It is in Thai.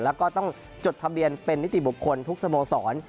แล้วก็ต้องจดทะเบียนเป็นนิติบุคคลทุกสโมสร